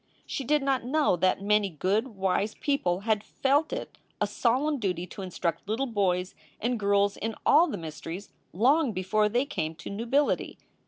She did not know that many good, wise people had felt it a solemn duty to instruct little boys and girls in all the mysteries long before they came to nubility.